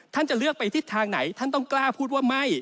จะเลือกไปทิศทางไหนท่านต้องกล้าพูดว่าไม่